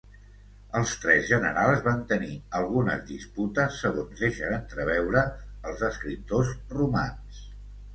Els tres generals van tenir algunes disputes segons deixen entreveure els escriptors romans.